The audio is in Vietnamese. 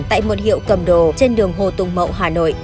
tại một hiệu cầm đồ trên đường hồ tùng mậu hà nội